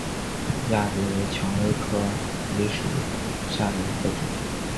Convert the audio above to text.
豆梨为蔷薇科梨属下的一个种。